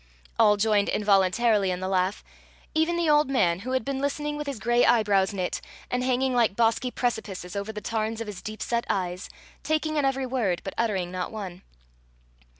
All joined involuntarily in the laugh even the old man, who had been listening with his grey eyebrows knit, and hanging like bosky precipices over the tarns of his deepset eyes, taking in every word, but uttering not one.